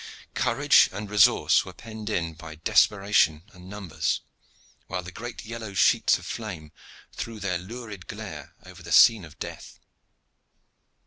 Courage and resource were penned in by desperation and numbers, while the great yellow sheets of flame threw their lurid glare over the scene of death.